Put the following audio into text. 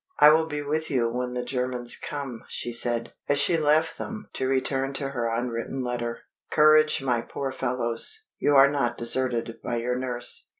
"I will be with you when the Germans come," she said, as she left them to return to her unwritten letter. "Courage, my poor fellows! you are not deserted by your nurse."